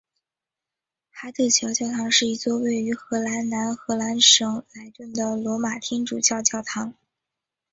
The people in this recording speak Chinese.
哈特桥教堂是一座位于荷兰南荷兰省莱顿的罗马天主教教堂。